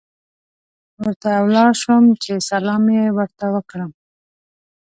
ورته ولاړ شوم چې سلام یې ورته وکړم.